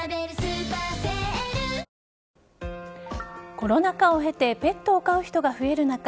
コロナ禍を経てペットを飼う人が増える中